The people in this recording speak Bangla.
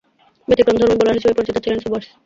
ব্যতিক্রমধর্মী বোলার হিসেবে পরিচিত ছিলেন সোবার্স।